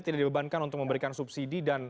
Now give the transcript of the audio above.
tidak dibebankan untuk memberikan subsidi dan